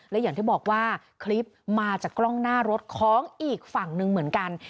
และอย่างที่บอกว่าคลิปมาจากกล้องหน้ารถของอีกฝั่งหนึ่งเหมือนกัน